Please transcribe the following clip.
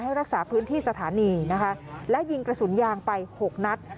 รักษาพื้นที่สถานีนะคะและยิงกระสุนยางไปหกนัด